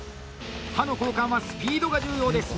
刃の交換はスピードが重要です。